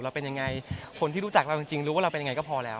เป็นยังไงคนที่รู้จักเราจริงรู้ว่าเราเป็นยังไงก็พอแล้ว